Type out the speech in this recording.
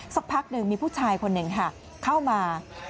สักพักหนึ่งมีผู้ชายคนหนึ่งค่ะเข้ามา